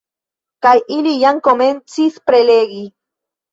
Kaj ili jam komencis prelegi